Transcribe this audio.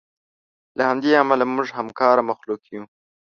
له همدې امله موږ همکاره مخلوق یو.